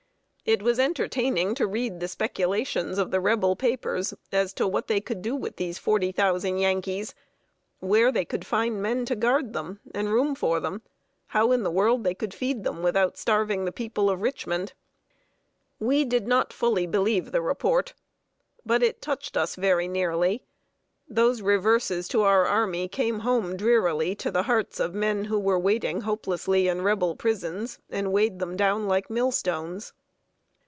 It was entertaining to read the speculations of the Rebel papers as to what they could do with these forty thousand Yankees where they could find men to guard them, and room for them how in the world they could feed them without starving the people of Richmond. [Sidenote: THE GLOOMIEST NIGHT IN PRISON.] We did not fully believe the report, but it touched us very nearly. Those reverses to our army came home drearily to the hearts of men who were waiting hopelessly in Rebel prisons, and weighed them down like millstones.